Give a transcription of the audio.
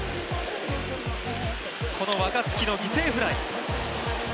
この若月の犠牲フライ。